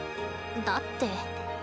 だって。